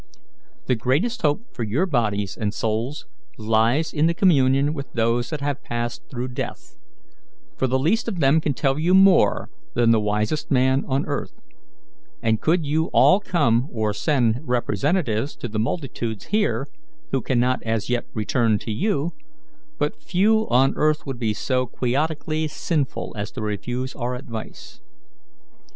"The greatest hope for your bodies and souls lies in the communion with those that have passed through death; for the least of them can tell you more than the wisest man on earth; and could you all come or send representatives to the multitudes here who cannot as yet return to you, but few on earth would be so quixotically sinful as to refuse our advice.